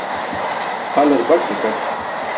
Halar baṭ gakat.